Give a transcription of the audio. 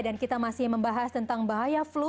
dan kita masih membahas tentang bahaya flu